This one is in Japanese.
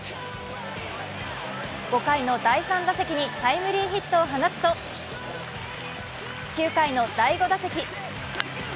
５回の第３打席にタイムリーヒットを放つと、９回の第５打席。